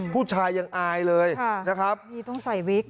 ผู้ชายยังอายเลยนะครับนี่ต้องใส่วิก